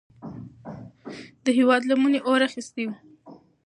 د هیواد لمنې اور اخیستی و.